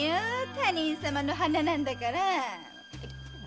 他人さまの花なんだから！